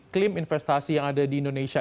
klaim investasi yang ada di indonesia